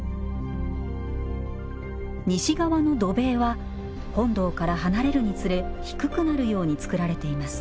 西側の土塀は本堂から離れるにつれ低くなるようにつくられています。